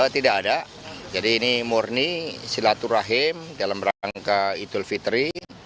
tidak ada jadi ini murni silaturahim dalam rangka idul fitri